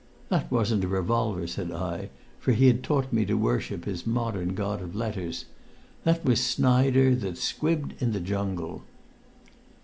'" "That wasn't a revolver," said I, for he had taught me to worship his modern god of letters; "that was the Snider that 'squibbed in the jungle.'"